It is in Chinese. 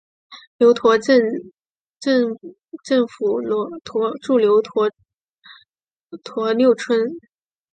牛驼镇镇政府驻牛驼六村。